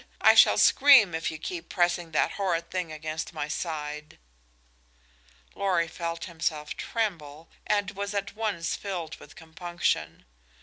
I shall scream if you keep pressing that horrid thing against my side." Lorry felt him tremble, and was at once filled with compunction.